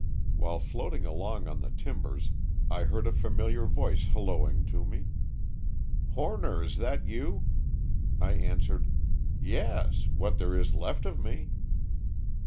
While floating along on the timbers I heard a famil iar voice hallooing to me, " Horner is that you? " I answered, *' Yes, what there is left of me."